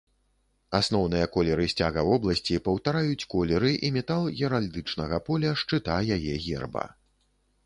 Асноўныя колеры сцяга вобласці паўтараюць колеры і метал геральдычнага поля шчыта яе герба.